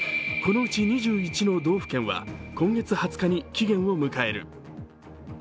このうち２１の道府県は今月２０日に期限を迎える。